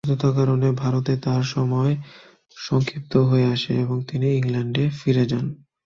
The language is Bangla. অসুস্থতার কারণে ভারতে তাঁর সময় সংক্ষিপ্ত হয়ে আসে এবং তিনি ইংল্যান্ডে ফিরে যান।